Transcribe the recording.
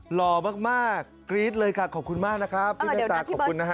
หล่อมากกรี๊ดเลยค่ะขอบคุณมากนะครับพี่เมตตาขอบคุณนะฮะ